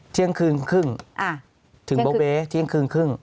เที่ยงคืนครึ่งถึงเบาเวเที่ยงคืนครึ่ง